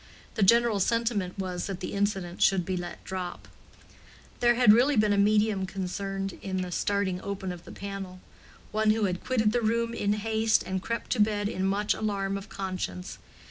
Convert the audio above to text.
The general sentiment was that the incident should be let drop. There had really been a medium concerned in the starting open of the panel: one who had quitted the room in haste and crept to bed in much alarm of conscience.